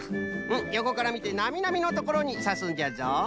よこからみてなみなみのところにさすんじゃぞ。